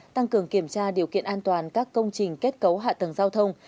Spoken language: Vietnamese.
tăng cường kiểm tra điều kiện an toàn các công trình kết cấu hạ tầng giao thông